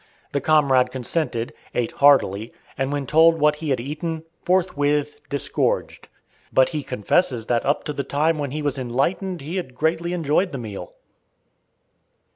The comrade consented, ate heartily, and when told what he had eaten, forthwith disgorged. But he confesses that up to the time when he was enlightened he had greatly enjoyed the meal.